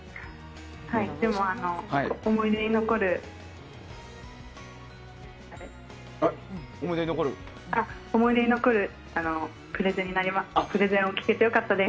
でも、思い出に残るプレゼンを聞けて良かったです。